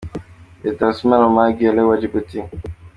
Perezida Ismaïl Omar Guelleh wa Djibouti.